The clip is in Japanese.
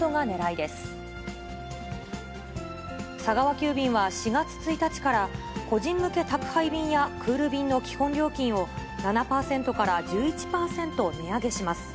急便は４月１日から、個人向け宅配便やクール便の基本料金を、７％から１１％値上げします。